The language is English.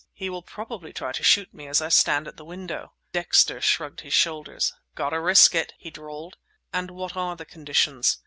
"He will probably try to shoot me as I stand at the window." Dexter shrugged his shoulders. "Got to risk it," he drawled. "And what are the conditions?"